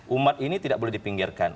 umat ini tidak boleh dipinggirkan